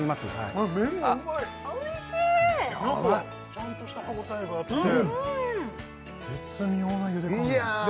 ちゃんとした歯応えがあって絶妙な茹で加減